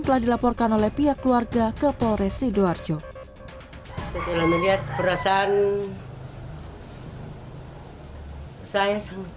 telah dilaporkan oleh pihak keluarga ke polres sidoarjo setelah melihat perasaan saya sangat